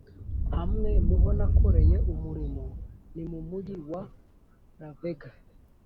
Hamwe mu ho nakoreye umurimo ni mu mugi wa La Vega